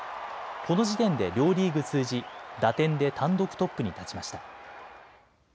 この時点で両リーグ通じ打点で単独トップに立ちました。